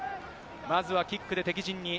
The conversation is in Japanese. まずはキックで敵陣に。